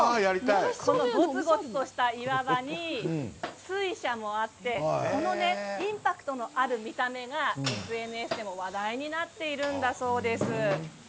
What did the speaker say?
ごつごつとした岩場に水車もあってインパクトのある見た目がＳＮＳでも話題になっているんだそうです。